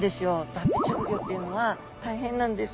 脱皮直後というのは大変なんです！